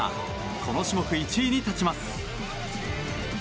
この種目１位に立ちます。